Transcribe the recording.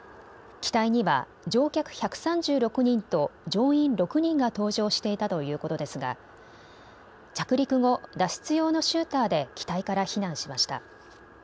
機体には乗客１３６人と乗員６人が搭乗していたということですが着陸後、脱出用のシューターで機体から避難しました。